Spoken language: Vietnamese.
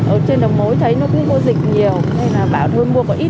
ở trên đồng mối thấy nó cũng có dịch nhiều nên là bảo thôi mua có ít